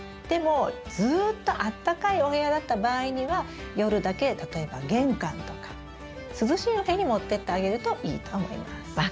でもずっとあったかいお部屋だった場合には夜だけ例えば玄関とか涼しいお部屋に持っていってあげるといいと思います。